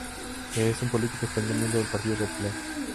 Es un Político español miembro del Partido popular.